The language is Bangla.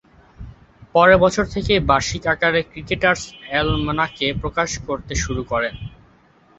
পরের বছর থেকেই বার্ষিক আকারে ক্রিকেটার্স অ্যালমেনাক প্রকাশ করতে শুরু করেন।